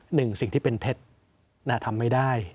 หนึ่งสิ่งที่เป็นเท็จทำไม่ได้